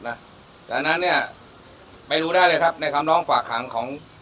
ดังนั้นเนี่ยไปดูได้เลยครับในคำร้องฝากหางของ